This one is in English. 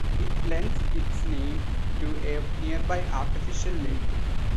It lends its name to a nearby artificial lake.